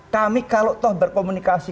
kami kalau toh berkomunikasi